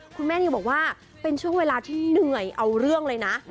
คุณแม่นิวบอกว่าเป็นช่วงเวลาที่เหนื่อยเอาเรื่องเลยนะ